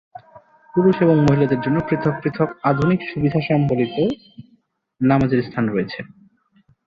পুরুষ এবং মহিলাদের জন্য পৃথক পৃথক আধুনিক সুবিধা সংবলিত নামাজের স্থান রয়েছে।